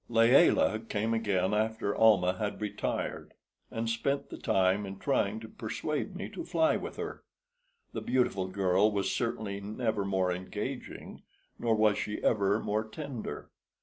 Layelah came again after Almah had retired, and spent the time in trying to persuade me to fly with her. The beautiful girl was certainly never more engaging, nor was she ever more tender.